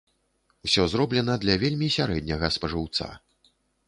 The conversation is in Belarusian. Усё зроблена для вельмі сярэдняга спажыўца.